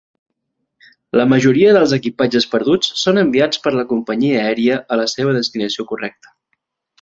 La majoria dels equipatges perduts són enviats per la companyia aèria a la seva destinació correcta.